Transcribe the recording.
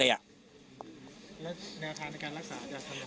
แล้วแนวทางในการรักษาจะทำยังไง